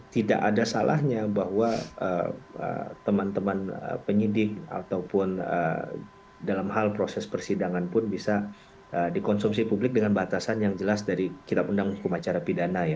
tidak ada salahnya bahwa teman teman penyidik ataupun dalam hal proses persidangan pun bisa dikonsumsi publik dengan batasan yang jelas dari kitab undang hukum acara pidana ya